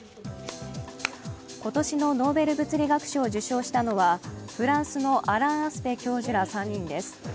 今年のノーベル物理学賞を受賞したのは、フランスのアラン・アスペ教授ら３人です。